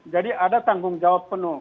jadi ada tanggung jawab penuh